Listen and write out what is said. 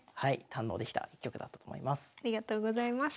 堪能できた一局だったと思います。